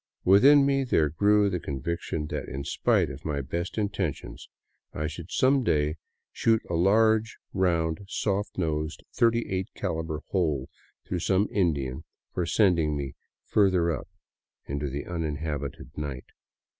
Within me there grew the con ' viction that, in spite of my best intentions, I should some day shoot a large, round, soft nosed, 38 caliber hole through some Indian for send ing me " further up " into the uninhabited night.